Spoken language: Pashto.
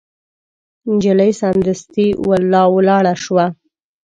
نجلۍ سمدستي ولاړه شوه.